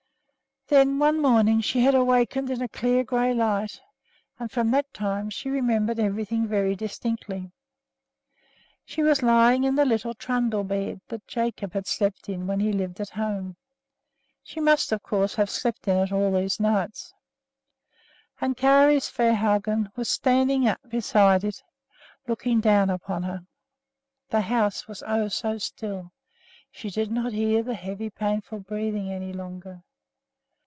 Then one morning she had awakened in a clear gray light, and from that time she remembered everything very distinctly. She was lying in the little trundle bed that Jacob had slept in when he lived at home, she must, of course, have slept in it all these nights, and Kari Svehaugen was standing beside it, looking down upon her. The house was oh! so still, she did not hear the heavy, painful breathing any longer.